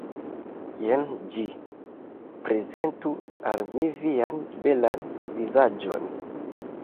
Jen ĝi. Prezentu al mi vian belan vizaĝon!